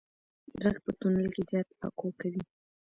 غږ په تونل کې زیات اکو کوي.